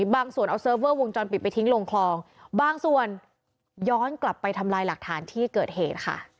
บางส่วนเอาเซิร์ฟเวอร์วงจรปิดไปทิ้งลงคลองบางส่วนย้อนกลับไปทำลายหลักฐานที่เกิดเหตุค่ะ